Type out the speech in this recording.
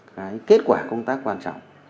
cái kết quả công tác quan trọng